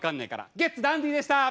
ゲッツダンディでした！